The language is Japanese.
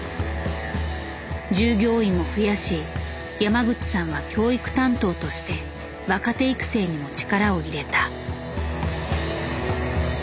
従業員も増やし山口さんは教育担当として若手育成にも力を入れた。